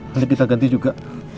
nanti kita ganti juga